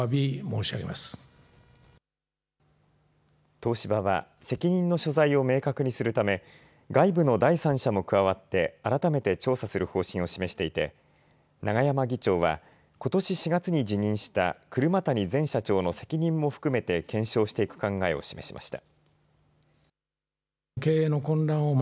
東芝は責任の所在を明確にするため外部の第三者も加わって改めて調査する方針を示していて永山議長はことし４月に辞任した車谷前社長の責任も含めて検証していく考えを示しました。